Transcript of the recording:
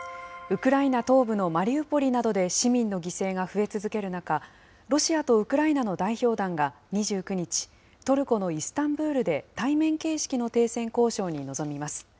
ウクライナ東部のマリウポリなどで、市民の犠牲が増え続ける中、ロシアとウクライナの代表団が２９日、トルコのイスタンブールで対面形式の停戦交渉に臨みます。